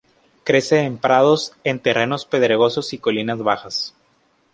Crece en prados, en terrenos pedregosos y colinas bajas.